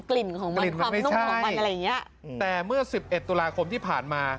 กลิ่นของมันความนุ่มของมันอะไรอย่างเงี้ยแต่เมื่อสิบเอ็ดตุลาคมที่ผ่านมา